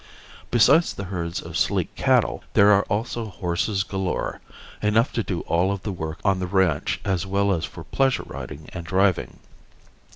Besides the herds of sleek cattle, there are also horses galore, enough to do all of the work on the ranch as well as for pleasure riding and driving.